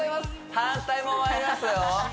反対もまいりますよ